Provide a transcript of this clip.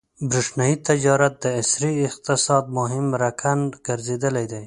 برېښنايي تجارت د عصري اقتصاد مهم رکن ګرځېدلی دی.